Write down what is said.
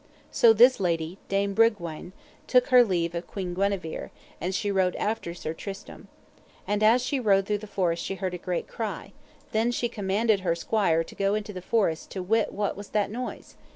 So this lady, Dame Bragwaine, took her leave of Queen Guenever, and she rode after Sir Tristram. And as she rode through the forest she heard a great cry; then she commanded her squire to go into the forest to wit what was that noise.